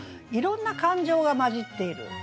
いろんな感情が交じっている。